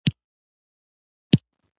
د قلم کارولو زده کړه مهمه ده.